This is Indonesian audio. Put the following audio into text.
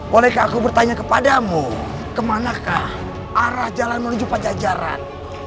bolehkah aku bertanya kepadamu kemanakah arah jalan menuju pajajaran